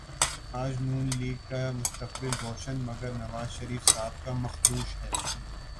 آج نون لیگ کا مستقبل روشن مگر نوازشریف صاحب کا مخدوش ہے